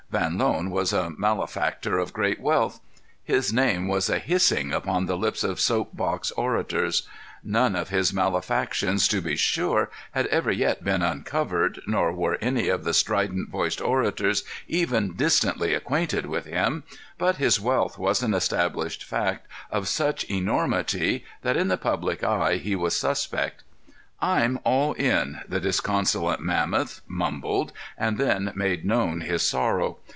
Van Loan was a malefactor of great wealth. His name was a hissing upon the lips of soap box orators. None of his malefactions, to be sure, had ever yet been uncovered, nor were any of the strident voiced orators even distantly acquainted with him, but his wealth was an established fact of such enormity that in the public eye he was suspect. "I'm all in," the disconsolate mammoth mumbled, and then made known his sorrow.